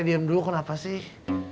diam dulu kenapa sih